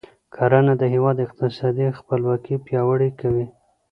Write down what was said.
کرنه د هیواد اقتصادي خپلواکي پیاوړې کوي.